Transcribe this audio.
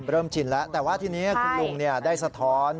ชินแล้วแต่ว่าทีนี้คุณลุงได้สะท้อน